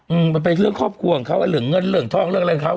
มันเป็นเรื่องครอบครัวของเขาไอ้เหลืองเงินเหลืองทองเรื่องอะไรของเขา